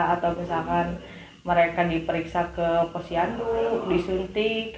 atau misalkan mereka diperiksa ke posyandu disuntik